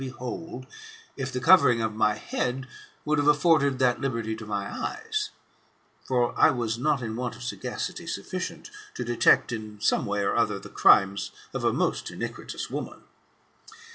15I behold, if the covering of my head would have afforded that h'berty to my eyes : for I was not in want of sagacity sufficient to detect, in some way or other, the crimes of a most iniquitous woman.